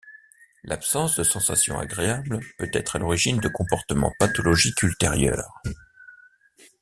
L’absence de sensation agréable peut être à l’origine de comportements pathologiques ultérieurs.